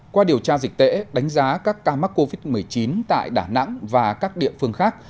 qua điều tra dịch tễ đánh giá các ca mắc covid một mươi chín tại đà nẵng và các địa phương khác